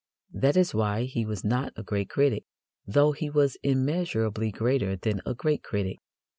That is why he was not a great critic, though he was immeasurably greater than a great critic.